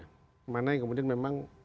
kemana yang kemudian memang